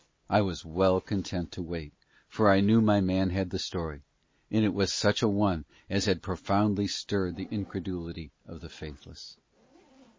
I was well content to wait, for I knew my man had the story, and it was such a one as had profoundly stirred the incredulity of the faithless.